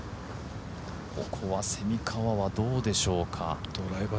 ここは蝉川はどうでしょうか。